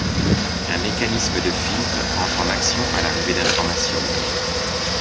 Un mécanisme de filtre entre en action à l’arrivée d’informations.